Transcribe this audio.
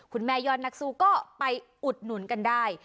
คุณแม่ยอร์นักซูก็ไปอุดหนุนกันได้